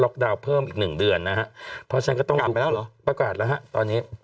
ล็อกดาวน์เพิ่มอีก๑เดือนนะครับเพราะฉะนั้นก็ต้องประกาศแล้วครับตอนนี้